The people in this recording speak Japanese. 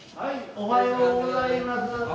おはようございます！